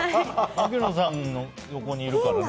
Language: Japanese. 槙野さんの横にいるからね。